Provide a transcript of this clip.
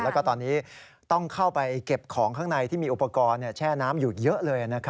แล้วก็ตอนนี้ต้องเข้าไปเก็บของข้างในที่มีอุปกรณ์แช่น้ำอยู่เยอะเลย